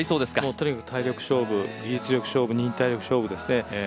とにかく体力勝負技術力勝負、忍耐力勝負ですね